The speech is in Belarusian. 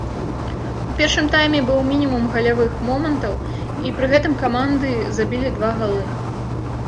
У першым тайме быў мінімум галявых момантаў і пры гэтым каманды забілі два галы.